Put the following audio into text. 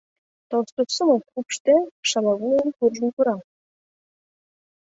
Толстосумов упшде, шалавуйын куржын пура.